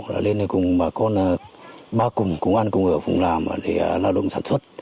lên cùng bà con ba cùng cùng ăn cùng ở phùng làm làm động sản xuất